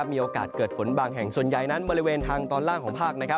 มีโอกาสเกิดฝนบางแห่งส่วนใหญ่นั้นบริเวณทางตอนล่างของภาค